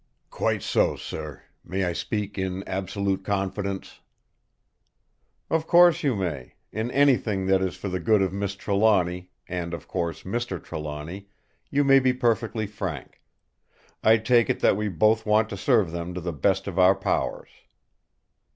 "Quite so, sir! May I speak in absolute confidence?" "Of course you may. In anything that is for the good of Miss Trelawny—and of course Mr. Trelawny—you may be perfectly frank. I take it that we both want to serve them to the best of our powers."